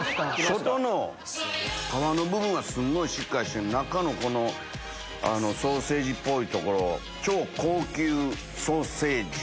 外の皮の部分はすんごいしっかりして中のこのソーセージっぽい所超高級ソーセージ。